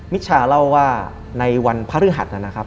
มิชชาเล่าว่าในวันพระฤทธิ์นั้นนะครับ